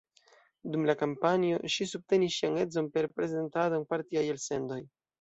Dum la kampanjo ŝi subtenis ŝian edzon per prezentado en partiaj elsendoj.